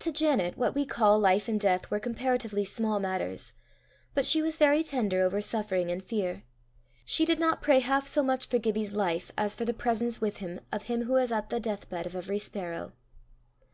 To Janet, what we call life and death were comparatively small matters, but she was very tender over suffering and fear. She did not pray half so much for Gibbie's life as for the presence with him of him who is at the deathbed of every sparrow.